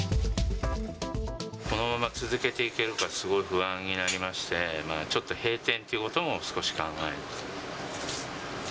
このまま続けていけるか、すごい不安になりまして、ちょっと閉店ということも少し考えました。